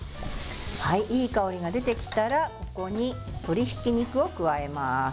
いい香りが出てきたらここに鶏ひき肉を加えます。